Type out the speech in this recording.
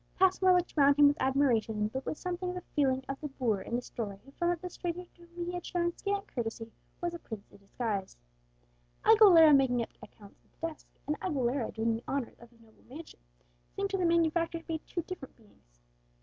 Passmore looked around him with admiration, but with something of the feeling of the boor in the story who found that the stranger to whom he had shown scant courtesy was a prince in disguise. Aguilera making up accounts at the desk, and Aguilera doing the honours of his noble mansion, seemed to the manufacturer to be two different beings.